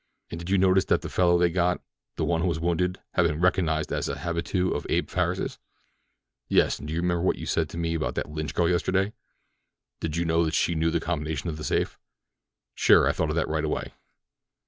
"And did you notice that the fellow they got—the one who was wounded—has been recognized as an habitué of Abe Farris's? Yes, and do you remember what you told me about that Lynch girl yesterday? Did you know she knew the combination to the safe? Sure; I thought of that right away.